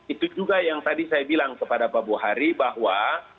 itu juga yang tadi saya bilang kepada pak buhari bahwa